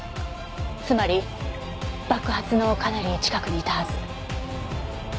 つまり爆発のかなり近くにいたはず。